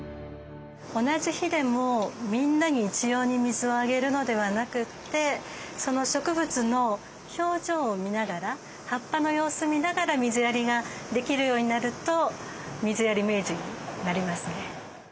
同じ日でもみんなに一様に水をあげるのではなくてその植物の表情を見ながら葉っぱの様子を見ながら水やりができるようになると「水やり名人」になれますね。